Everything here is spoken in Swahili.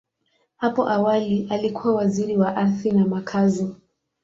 Hapo awali, alikuwa Waziri wa Ardhi na Makazi.